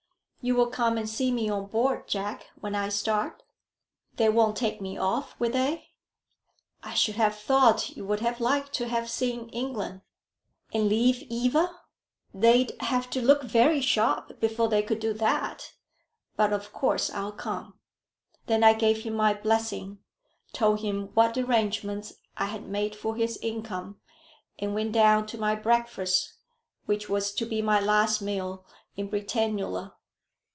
"You will come and see me on board, Jack, when I start." "They won't take me off, will they?" "I should have thought you would have liked to have seen England." "And leave Eva! They'd have to look very sharp before they could do that. But of course I'll come." Then I gave him my blessing, told him what arrangements I had made for his income, and went down to my breakfast, which was to be my last meal in Britannula.